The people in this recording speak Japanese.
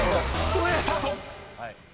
［スタート！］